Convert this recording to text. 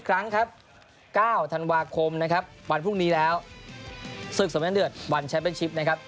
ครับ๙ธันวาคมนะครับวันพรุ่งนี้แล้วศึกสมัยเลือดวันนะครับ